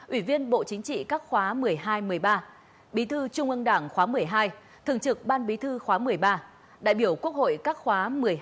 ủy viên bộ chính trị các khóa một mươi hai một mươi ba bí thư trung ương đảng khóa một mươi hai thường trực ban bí thư khóa một mươi ba đại biểu quốc hội các khóa một mươi hai một mươi bốn một mươi năm